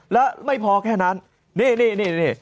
แล้วไม่พอแค่นั้นนี่นี่นี่นี่